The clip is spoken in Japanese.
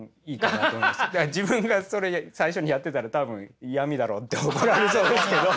自分がそれ最初にやってたら多分「イヤミだろ！」って怒られそうですけど。